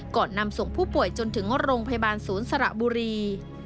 นำส่งผู้ป่วยจนถึงโรงพยาบาลศูนย์สระบุรี